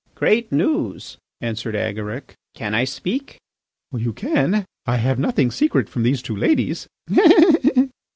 "Great news," answered Agaric. "Can I speak?" "You can. I have nothing secret from these two ladies."